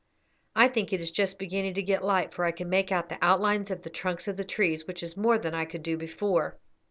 I think it is just beginning to get light, for I can make out the outlines of the trunks of the trees, which is more than I could do before.